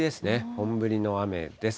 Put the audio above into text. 本降りの雨です。